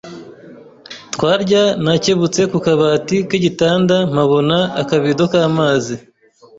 twarya nakebutse kukabati kigitanda mpabona akabido k’amazi